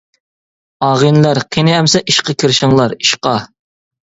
ئاغىنىلەر، قېنى ئەمىسە ئىشقا كىرىشىڭلار، ئىشقا!